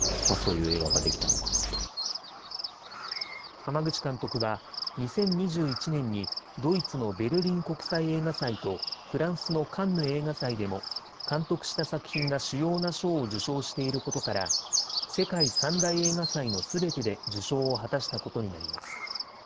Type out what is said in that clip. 濱口監督は、２０２１年に、ドイツのベルリン国際映画祭とフランスのカンヌ映画祭でも監督した作品が主要な賞を受賞していることから、世界３大映画祭のすべてで受賞を果たしたことになります。